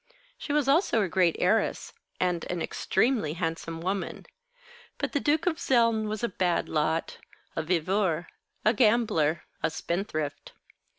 She was also a great heiress, and an extremely handsome woman. But the Duke of Zeln was a bad lot, a viveur, a gambler, a spendthrift.